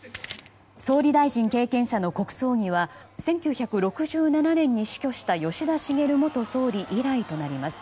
総理大臣経験者の国葬儀は１９６７年に死去した吉田茂元総理以来となります。